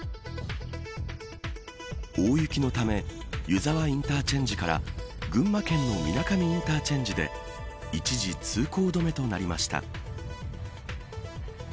大雪のため湯沢インターチェンジから群馬県の水上インターチェンジで一時通行止めとなりました。